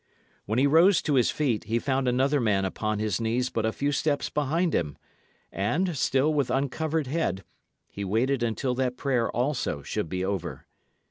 When he rose to his feet, he found another man upon his knees but a few steps behind him, and, still with uncovered head, he waited until that prayer also should be over.